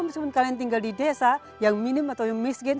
meskipun kalian tinggal di desa yang minim atau yang miskin